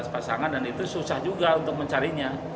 dua belas pasangan dan itu susah juga untuk mencarinya